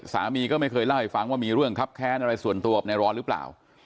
สามีก็ไม่เคยเล่าให้ฟังว่ามีเรื่องครับแค้นอะไรส่วนตัวกับในร้อนหรือเปล่า